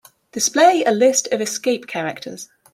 Display a list of escape characters.